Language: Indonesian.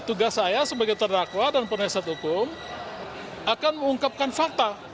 tugas saya sebagai terdakwa dan penasihat hukum akan mengungkapkan fakta